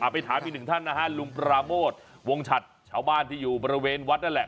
ไปถามอีกหนึ่งท่านนะฮะลุงปราโมทวงฉัดชาวบ้านที่อยู่บริเวณวัดนั่นแหละ